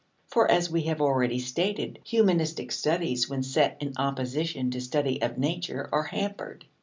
For, as we have already stated, humanistic studies when set in opposition to study of nature are hampered.